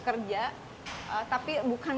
kerja tapi bukan